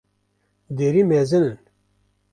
Derî mezin in